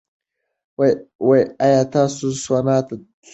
ایا تاسو سونا ته تلل غواړئ؟